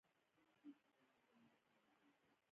بل دود دا و چې بندیان اشرافو ته سپارل کېدل.